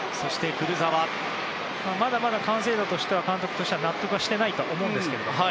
まだまだ完成度としては監督としては納得はしてないと思うんですけども。